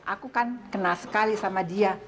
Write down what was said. aku kan kenal sekali sama dia